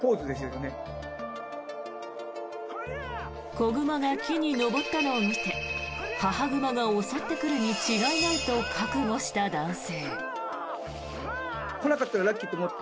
子熊が木に登ったのを見て母熊が襲ってくるに違いないと覚悟した男性。